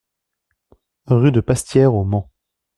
Rue de Pastière au Mans